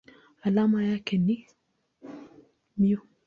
Alama yake ni µm.